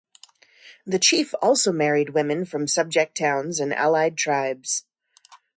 The chief also married women from subject towns and allied tribes.